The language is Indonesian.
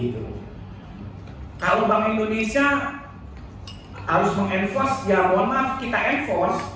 kalau bank indonesia harus meng enforce ya mohon maaf kita enforce